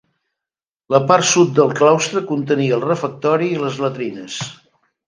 La part sud del claustre contenia el refectori i les latrines.